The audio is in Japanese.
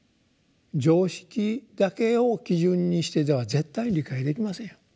常識だけを基準にしていては絶対理解できませんよ。